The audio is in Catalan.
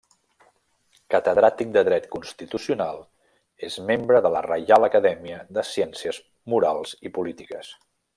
Catedràtic de Dret Constitucional, és membre de la Reial Acadèmia de Ciències Morals i Polítiques.